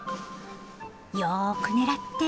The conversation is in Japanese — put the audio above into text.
よく狙って！